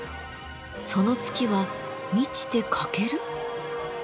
その月は満ちて欠ける！？